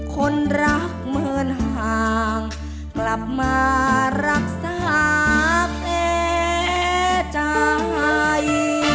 คนรักเหมือนห่างกลับมารักษาแผลใจ